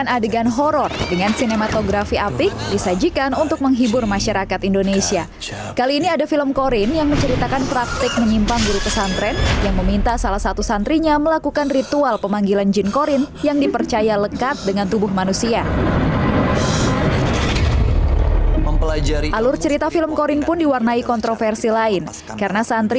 assalamualaikum warahmatullahi wabarakatuh